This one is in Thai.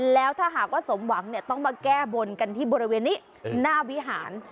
แล้วถ้าหากว่าสมหวังเนี่ยต้องมาแก้บนกันที่บริเวณนี้หน้าวิหาร